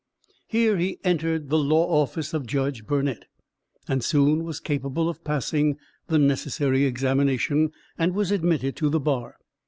Here he entered the law office of Judge Burnett, and soon was capable of passing the necessary examination, and was admitted to the bar.